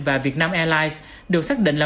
và vietnam airlines được xác định là